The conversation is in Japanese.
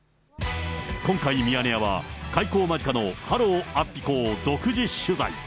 今回、ミヤネ屋は、開校間近のハロウ安比校を独自取材。